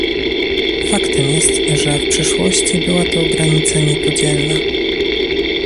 Faktem jest, że w przeszłości była to granica niepodzielna